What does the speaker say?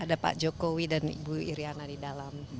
ada pak jokowi dan ibu iryana di dalam